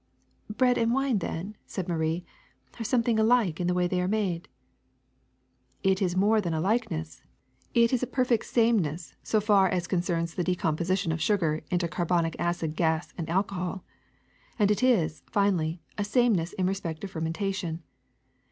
*^ Bread and wine, then,'' said Marie, ^*are some thing alike in the way they are made." It is more than a likeness: it is a perfect same i See "Field, Forest, £^nd Farm," BREAD 263 ness so far as concerns the decomposition of sugar into carbonic acid gas and alcohol ; and it is, finally, a sameness in respect to fermentation.